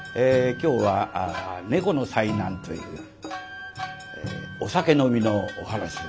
今日は「猫の災難」というお酒飲みのお噺でございます。